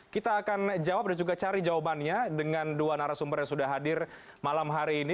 kita akan jawab dan juga cari jawabannya dengan dua narasumber yang sudah hadir malam hari ini